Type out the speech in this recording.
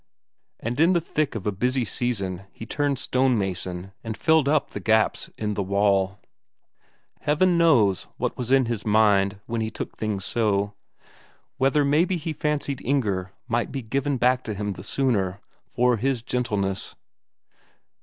And in the thick of a busy season he turned stonemason and filled up the gaps in the wall. Heaven knows what was in his mind that he took things so; whether maybe he fancied Inger might be given back to him the sooner for his gentleness.